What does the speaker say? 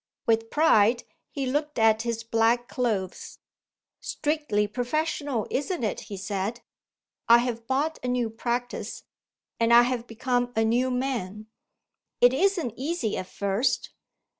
With pride he looked at his black clothes. "Strictly professional, isn't it?" he said. "I have bought a new practice; and I have become a new man. It isn't easy at first.